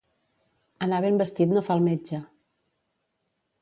Anar ben vestit no fa el metge.